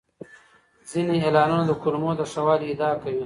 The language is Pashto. ځینې اعلانونه د کولمو د ښه والي ادعا کوي.